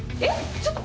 ちょっと！